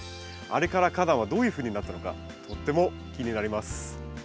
あれから花壇はどういうふうになったのかとっても気になります。